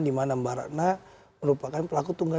dimana mbak ratna merupakan pelaku tunggal